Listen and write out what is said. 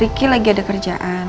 ricky lagi ada kerjaan